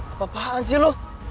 eh apa kek lo